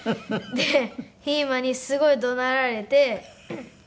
でひーまにすごい怒鳴られて。